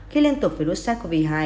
khi liên tục virus sars cov hai